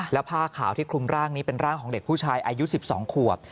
แล้วผ้าขาวที่คลุมร่างนี้เป็นร่างของเด็กผู้ชายอายุ๑๒ขวบ